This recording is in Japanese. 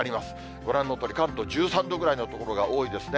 ご覧のとおり、関東１３度ぐらいの所が多いですね。